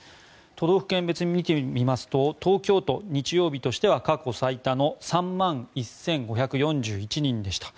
都道府県別で見てみますと東京都日曜日としては過去最多の３万１５４１人でした。